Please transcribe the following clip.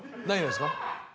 何がですか？